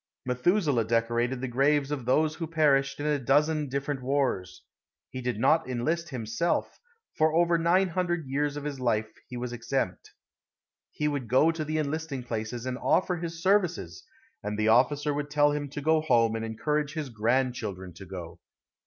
Methuselah decorated the graves of those who perished in a dozen different wars. He did not enlist himself, for over nine hundred years of his life he was exempt. He would go to the enlisting places and offer his services, and the officer would tell him to go home and encourage his grandchildren to go.